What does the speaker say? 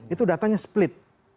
itu datanya split